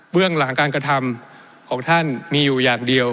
เรื่องหลังการกระทำของท่านมีอยู่อย่างเดียว